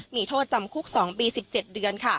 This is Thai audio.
มีโทษจำคุก๒ปี๑๗เดือน